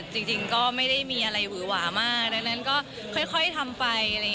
จริงก็ไม่ได้มีอะไรหวือหวามากดังนั้นก็ค่อยทำไป